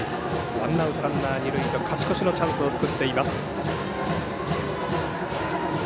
ワンアウトランナー、二塁と勝ち越しのチャンスを作っています。